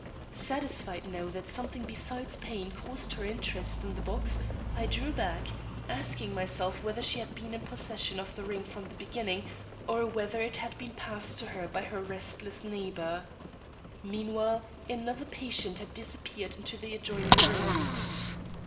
Satisfied now that something besides pain caused her interest in the box, I drew back, asking myself whether she had been in possession of the ring from the beginning, or whether it had been passed to her by her restless neighbor. Meanwhile, another patient had disappeared into the adjoining room.